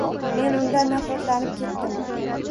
Men undan nafratlanib ketdim.